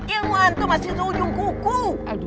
ilmu antum masih seujung kuku